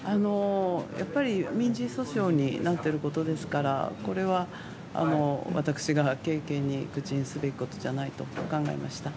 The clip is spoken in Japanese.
民事訴訟になっていることですから、これは私が軽々に口にすべきことじゃないと考えました。